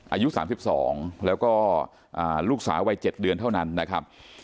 อายุ๓๒แล้วก็ลูกสาววัย๗เดือนเท่านั้นนะครับ